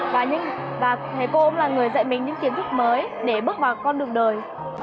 và thầy cô cũng là người dạy mình những kiến thức mới để bước vào con đường đời